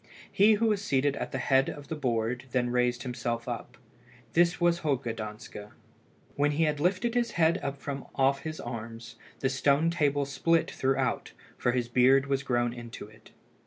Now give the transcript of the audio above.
He who was seated at the head of the board then raised himself up. This was Holger Danske. When he had lifted his head up from off his arms, the stone table split throughout, for his beard was grown into it.